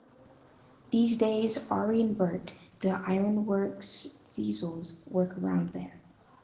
These days, 'Arry and Bert, the ironworks diesels, work around there.